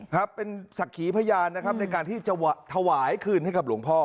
ครับเป็นศักดิ์ขีพยานนะครับในการที่จะถวายคืนให้กับหลวงพ่อ